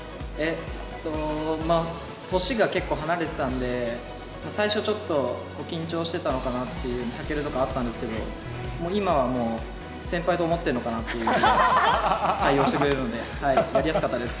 まあ、年が結構離れてたんで、最初ちょっと、緊張してたのかなって、丈琉とかあったんですけど、今はもう、先輩と思ってるのかな？という対応してくれるので、やりやすかったです。